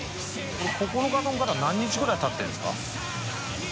これ九日丼から何日くらいたってるんですか？